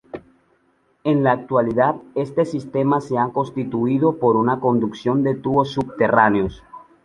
En la actualidad, este sistema se ha sustituido por una conducción de tubos subterráneos.